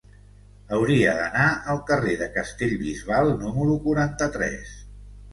Hauria d'anar al carrer de Castellbisbal número quaranta-tres.